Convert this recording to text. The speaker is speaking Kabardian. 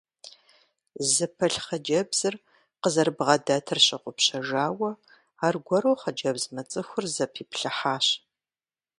Зыпылъ хъыджэбзыр къызэрыбгъэдэтри щыгъупщэжауэ, аргуэру хъыджэбз мыцӏыхур зэпиплъыхьащ.